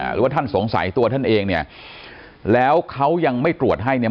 หรือว่าท่านสงสัยตัวท่านเองเนี่ยแล้วเขายังไม่ตรวจให้เนี่ย